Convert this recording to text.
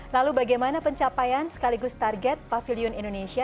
lalu bagaimana pencapaian sekaligus target pavilion indonesia